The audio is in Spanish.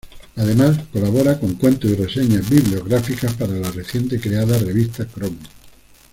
Además, colabora con cuentos y reseñas bibliográficas para la recientemente creada Revista Cromos.